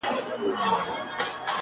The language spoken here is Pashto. • پر خپلوانو گاونډیانو مهربان وو,